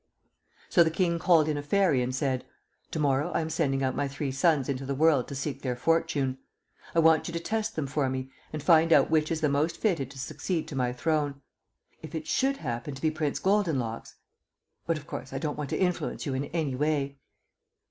So the King called in a Fairy and said, "To morrow I am sending out my three sons into the world to seek their fortune. I want you to test them for me and find out which is the most fitted to succeed to my throne. If it should happen to be Prince Goldenlocks but, of course, I don't want to influence you in any way."